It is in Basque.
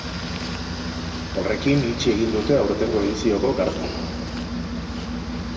Horrekin itxi egin dute aurtengo edizioko kartela.